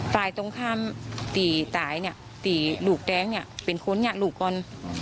ฝ่ายตรงข้ามตีตายตีลูกแดงเป็นคนลูกก่อน